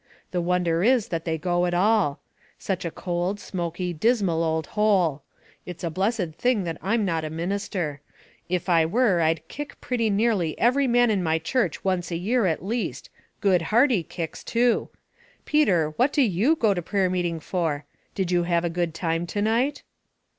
The wonder is that they go at all. Such a cold, smoky, dismal old hole. It's a blessed thing that I'm not a minister. If I were Td kick pretty nearly every man in my church once a year, at least — good hearty kicks, too. Peter, what do you go to prayer meeting for? Did you have a good time to night?"